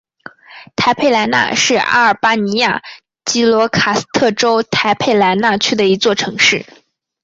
台佩莱纳是阿尔巴尼亚吉罗卡斯特州台佩莱纳区的一座城市。